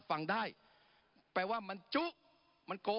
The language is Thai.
ปรับไปเท่าไหร่ทราบไหมครับ